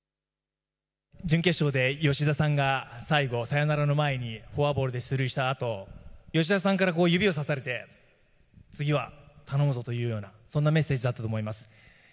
準決勝で吉田さんが最後、サヨナラの前にフォアボールで出塁したあと吉田さんから指を指されて次は頼むぞというようなそんなメッセージだったと思います。